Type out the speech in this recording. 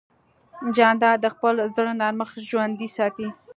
جانداد د خپل زړه نرمښت ژوندی ساتي.